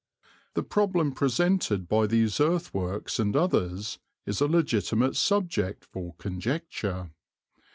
The problem presented by these earthworks and others is a legitimate subject for conjecture.